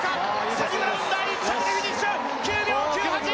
サニブラウン第１着でフィニッシュ９秒９８！